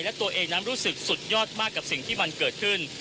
และตัวเองนั้นรู้สึกสุดยอดมากกับสิ่งที่มันเกิดขึ้น